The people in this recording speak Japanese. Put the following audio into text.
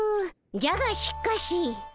「じゃがしかし」